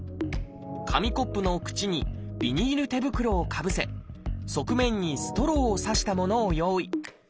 紙コップの口にビニール手袋をかぶせ側面にストローを刺したものを用意。